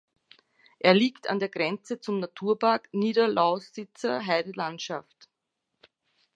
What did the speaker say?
Er liegt an der Grenze zum Naturpark Niederlausitzer Heidelandschaft.